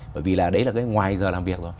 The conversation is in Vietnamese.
bởi vì là đấy là cái ngoài giờ làm việc rồi